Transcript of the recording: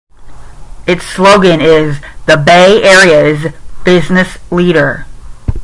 Its slogan is The Bay Area's Business Leader.